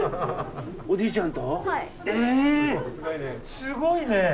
すごいね。